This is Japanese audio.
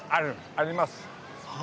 あります。